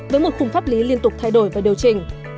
với một khung pháp lý liên tục thay đổi và điều chỉnh